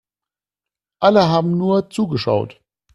Alle haben nur zugeschaut.